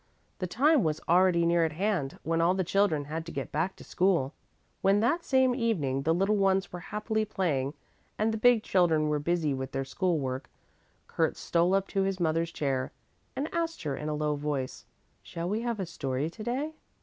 The time was already near at hand when all the children had to get back to school. When that same evening the little ones were happily playing and the big children were busy with their school work, Kurt stole up to his mother's chair and asked her in a low voice, "Shall we have the story to day?"